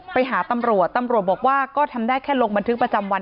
ไปหาตำรวจตำรวจบอกว่าก็ทำได้แค่ลงบันทึกประจำวัน